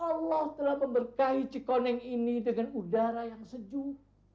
allah telah memberkahi cikoneng ini dengan udara yang sejuk